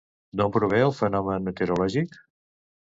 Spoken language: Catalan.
D'on prové el fenomen meteorològic?